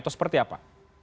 itu seperti apa